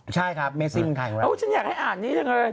ใช่ครับเมซิมมันถ่ายมาแล้วโอ้ฉันอยากให้อ่านนี้จังเลย